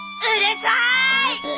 うるさい！